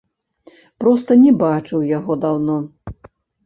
Проста не бачыў яго даўно.